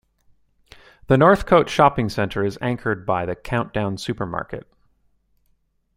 The Northcote Shopping Centre is anchored by a Countdown supermarket.